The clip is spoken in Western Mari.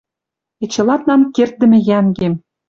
Эче ладнанг керддӹмӹ йӓнгем